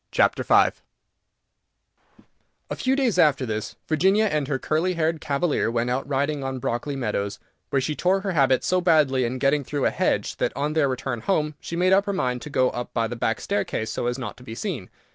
V A few days after this, Virginia and her curly haired cavalier went out riding on Brockley meadows, where she tore her habit so badly in getting through a hedge that, on their return home, she made up her mind to go up by the back staircase so as not to be seen.